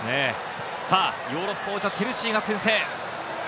ヨーロッパ王者チェルシーが先制。